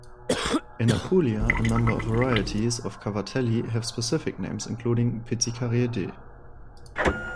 In Apulia a number of varieties of Cavatelli have specific names including "pizzicarieddi".